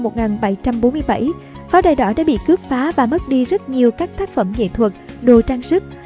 năm một nghìn bảy trăm bốn mươi bảy pháo đài đỏ đã bị cướp phá và mất đi rất nhiều các tác phẩm nghệ thuật đồ trang sức